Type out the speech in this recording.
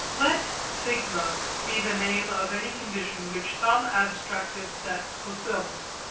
Let σ be the name of any condition which some abstractive sets fulfil.